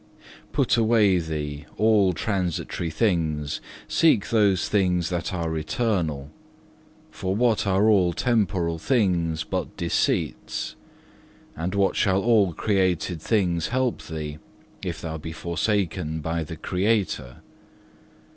Put away thee all transitory things, seek those things that are eternal. For what are all temporal things but deceits, and what shall all created things help thee if thou be forsaken by the Creator?